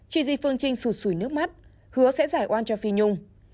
chi di phương trinh sụt sủi nước mắt hứa sẽ giải oan cho phi nhung